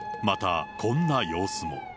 また、こんな様子も。